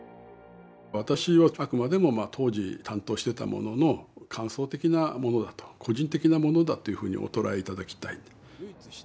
私はあくまでも当時担当してた者の感想的なものだと個人的なものだというふうにお捉え頂きたい。